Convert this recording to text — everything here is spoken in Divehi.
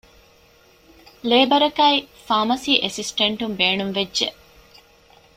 ލޭބަރަކާއި ފާމަސީ އެސިސްޓެންޓުން ބޭނުންވެއްޖެ